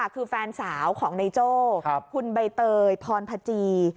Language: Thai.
คือแฟนสาวของนายโจ้คุณใบเตยพรพจี